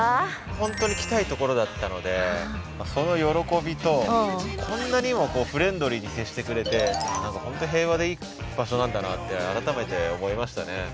本当に来たいところだったのでその喜びとこんなにもフレンドリーに接してくれて何か本当に平和でいい場所なんだなって改めて思いましたね。